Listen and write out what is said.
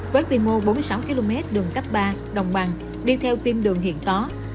với tiềm mô bốn mươi sáu km đường cấp ba đồng bằng đi theo tim đường hiện có